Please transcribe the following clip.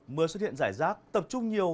mưa xuất hiện rải rác tập trung nhiều